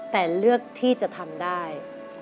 แต่เลือกที่จะทำได้